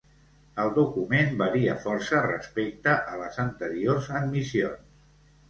El document varia força respecte a les anteriors admissions.